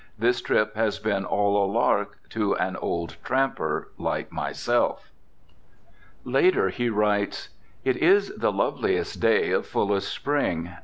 This trip has been all a lark to an old tramper like myself." Later he writes, "It is the loveliest day of fullest spring.